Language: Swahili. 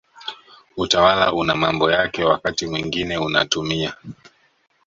Utawala una mambo yake wakati mwingine unatumia